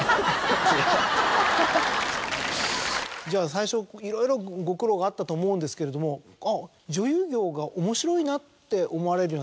じゃあ最初いろいろご苦労があったと思うんですけれども女優業が。